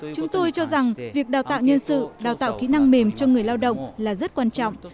chúng tôi cho rằng việc đào tạo nhân sự đào tạo kỹ năng mềm cho người lao động là rất quan trọng